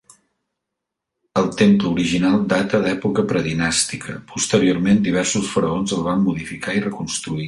El temple original data d'època predinàstica, posteriorment diversos faraons el van modificar i reconstruir.